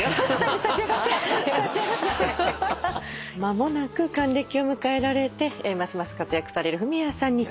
間もなく還暦を迎えられてますます活躍されるフミヤさんに。